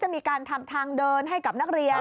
มีการทำทางเดินให้กับนักเรียน